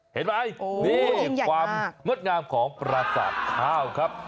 เห็นไหมนี่ความงดงามของปราสาทข้าวครับ